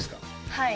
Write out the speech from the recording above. はい。